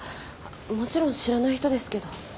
もちろん知らない人ですけど。